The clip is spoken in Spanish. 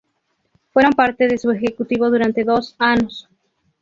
Fueron parte de su ejecutivo durante dos anos.